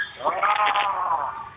indonesia aja ya